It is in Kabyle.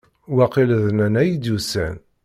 Waqil d Nanna i d-yusan.